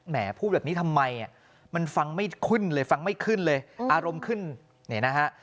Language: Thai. พูดแบบนี้ทำไมมันฟังไม่ขึ้นเลยฟังไม่ขึ้นเลยอารมณ์ขึ้นเนี่ยนะฮะ